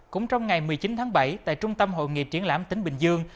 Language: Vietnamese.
cũng trong ngày một mươi chín tháng bảy tại trung tâm hội nghị triển lãm tỉnh bình dương